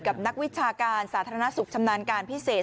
นักวิชาการสาธารณสุขชำนาญการพิเศษ